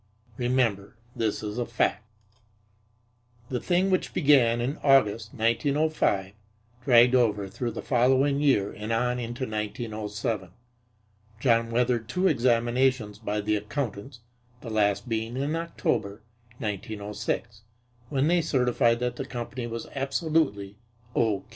Remember that this is a fact. The thing, which began in August, 1905, dragged over through the following year and on into 1907. John weathered two examinations by the accountants, the last being in October, 1906, when they certified that the company was absolutely "O.